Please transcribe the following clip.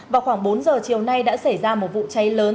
vào khoảng bốn giờ chiều nay đã xảy ra một vụ cháy lớn